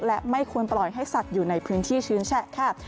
และไม่ควรปล่อยให้สัตว์อยู่ในพื้นที่ชื้นแฉะค่ะ